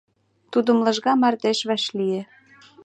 Тудым лыжга мардеж вашлие.